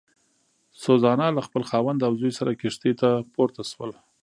سوزانا له خپل خاوند او زوی سره کښتۍ ته پورته شول.